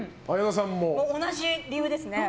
同じ理由です。